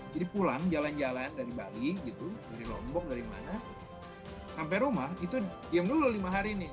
jadi pulang jalan jalan dari bali gitu dari lombok dari mana sampai rumah itu diem dulu lima hari ini